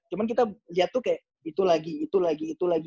cuma kita lihat tuh kayak itu lagi itu lagi itu lagi